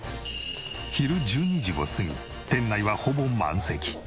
昼１２時を過ぎ店内はほぼ満席。